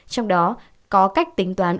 trong đó có cách tính toán